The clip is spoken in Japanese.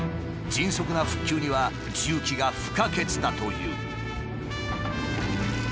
迅速な復旧には重機が不可欠だという。